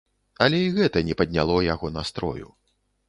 Але і гэта не падняло яго настрою.